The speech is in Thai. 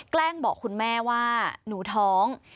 แกล้งบอกคุณแม่ว่าหนูท้อง